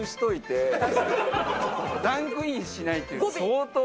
ランクインしないって相当。